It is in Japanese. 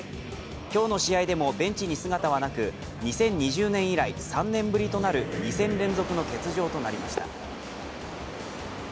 今日の試合でもベンチに姿はなく、２０２０年以来３年ぶりとなる２戦連続の欠場となりました。